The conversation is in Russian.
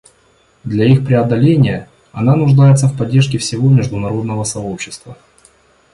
Для их преодоления она нуждается в поддержке всего международного сообщества.